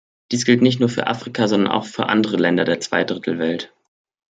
Dies gilt nicht nur für Afrika, sondern auch für andere Länder der Zwei-Drittel-Welt.